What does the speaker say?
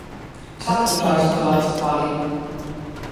Vsak lončar svoje lonce hvali.